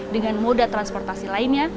dengan moda transportasi lainnya